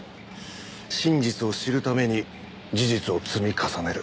真実を知るために事実を積み重ねる。